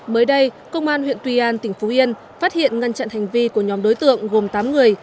mới đây công an huyện tuy an tỉnh phú yên phát hiện ngăn chặn hành vi của nhóm đối tượng gồm tám người